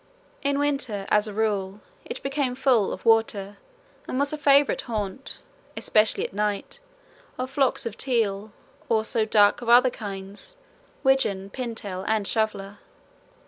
In winter as a rule it became full of water and was a favourite haunt, especially at night, of flocks of teal, also duck of a few other kinds widgeon, pintail, and shoveller.